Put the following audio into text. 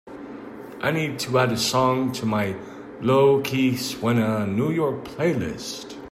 I need to add a song to my lo que suena new york playlist.